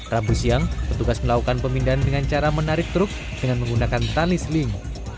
rabu siang petugas melakukan pemindahan dengan cara menarik truk dengan menggunakan tali seling